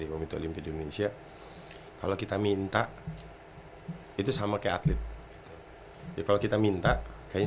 indonesia dan juga di indonesia kalau kita minta itu sama kayak atlet ya kalau kita minta kayaknya